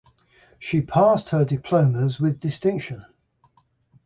She passed her diplomas with distinction.